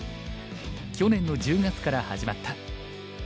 去年の１０月から始まった。